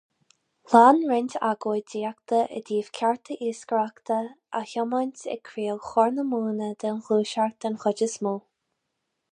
Lean roinnt agóidíochta i dtaobh cearta iascaireachta, á thiomáint ag craobh Chorr na Móna den Ghluaiseacht den chuid is mó.